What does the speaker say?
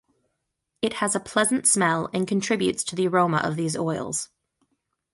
It has a pleasant smell and contributes to the aroma of these oils.